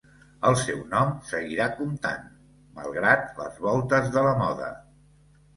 El seu nom seguirà comptant malgrat les voltes de la moda.